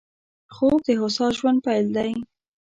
خوب د هوسا ژوند پيل دی